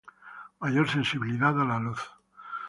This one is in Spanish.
Mayor sensibilidad a la luz